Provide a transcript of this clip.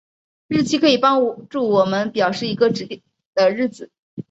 日期可以帮助我们表示一个指定的日子。